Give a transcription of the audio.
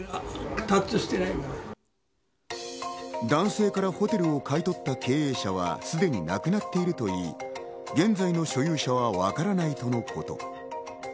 男性からホテルを買い取った経営者はすでに亡くなっているといい、現在の所有者はわからないとのこと。